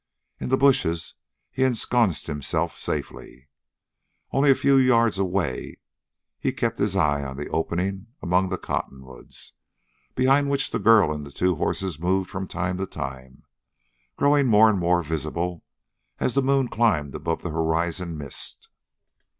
In the bushes he ensconced himself safely. Only a few yards away he kept his eye on the opening among the cottonwoods, behind which the girl and the two horses moved from time to time, growing more and more visible, as the moon climbed above the horizon mist.